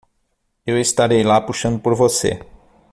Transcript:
Eu estarei lá puxando por você.